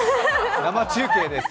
生中継です。